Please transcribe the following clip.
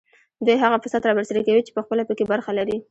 دوی هغه فساد رابرسېره کوي چې پخپله په کې برخه لري